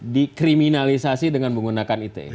dikriminalisasi dengan menggunakan ite